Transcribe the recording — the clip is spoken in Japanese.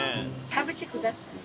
食べてください。